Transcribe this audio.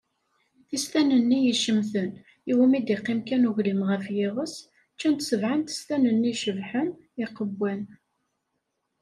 Tistan-nni icemten, iwumi i d-iqqim kan ugwlim ɣef yiɣes, ččant sebɛa n testan-nni icebḥen, iqewwan.